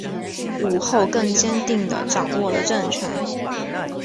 武后更坚定地掌握了政权。